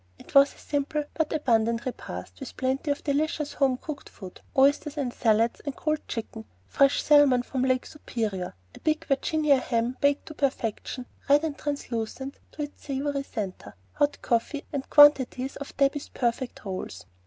It was a simple but abundant repast, with plenty of delicious home cooked food, oysters and salads and cold chicken; fresh salmon from Lake Superior; a big Virginia ham baked to perfection, red and translucent to its savory centre; hot coffee, and quantities of Debby's perfect rolls.